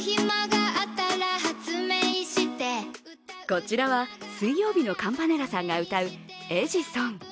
こちらは、水曜日のカンパネラさんが歌う「エジソン」。